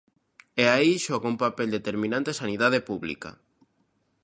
E aí xoga un papel determinante a sanidade pública.